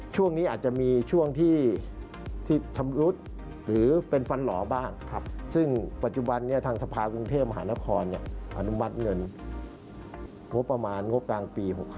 ช่วงนี้อาจจะมีช่วงที่ชำรุดหรือเป็นฟันหล่อบ้างซึ่งปัจจุบันนี้ทางสภากรุงเทพมหานครอนุมัติเงินงบประมาณงบกลางปี๖๕